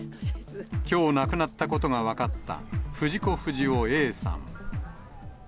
きょう亡くなったことが分かった、藤子不二雄Ａさん。